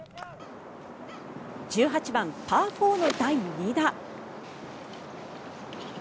１８番、パー４の第２打。